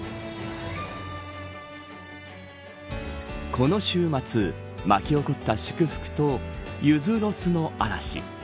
この週末巻き起こった祝福とゆづロスの嵐。